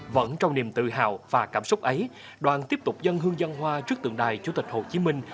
vẫn trong niềm tự hào và cảm xúc ấy đoàn tiếp tục dân hương dân hoa trước tượng đài chủ tịch hồ chí minh